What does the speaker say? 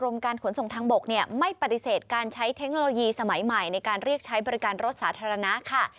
การขนส่งทางบกไม่ปฏิเสธการใช้เทคโนโลยีสมัยใหม่ในการเรียกใช้บริการรถสาธารณะค่ะ